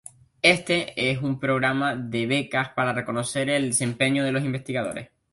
Éste es un programa de becas para reconocer el desempeño de los investigadores.